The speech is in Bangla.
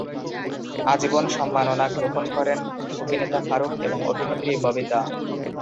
আজীবন সম্মাননা গ্রহণ করেন অভিনেতা ফারুক এবং অভিনেত্রী ববিতা।